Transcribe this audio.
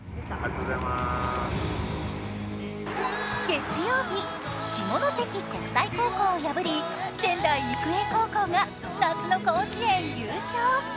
月曜日、下関国際高校を破り仙台育英高校が夏の甲子園、優勝。